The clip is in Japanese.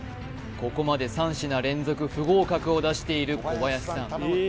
ここまで３品連続不合格を出している小林さん